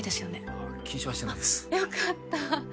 あっ禁止はしてないですよかった